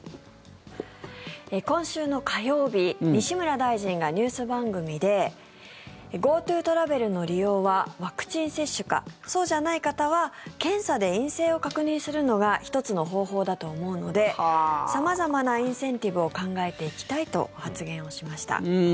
今週の火曜日、西村大臣がニュース番組でＧｏＴｏトラベルの利用はワクチン接種かそうじゃない方は検査で陰性を確認するのが１つの方法だと思うので様々なインセンティブを考えていきたいと発言しました。